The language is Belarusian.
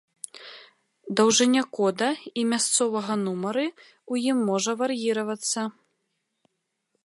Даўжыня кода і мясцовага нумары ў ім можа вар'іравацца.